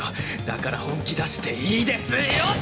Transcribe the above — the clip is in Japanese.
だから本気出していいですよっと！